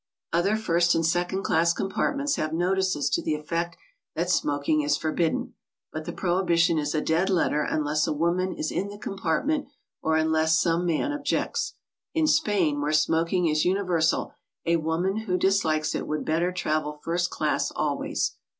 Other first and second class compartments have notices to the effect that smoking is forbidden, but the prohibition is a dead letter unless a woman is in the compartment or un less some man objects. In Spain, where smoking is univer sal, a woman who dislikes it would better travel first class always.